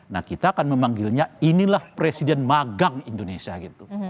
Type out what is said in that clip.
nah kita akan memanggilnya inilah presiden magang indonesia gitu